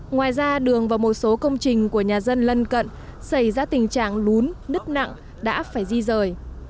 ngoài ra đường và một số công trình của nhà dân lân cận xảy ra tình trạng lún nứt nặng đã phải di rời